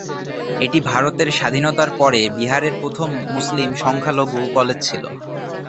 এটি ভারতের স্বাধীনতার পরে বিহারের প্রথম মুসলিম-সংখ্যালঘু কলেজ ছিল।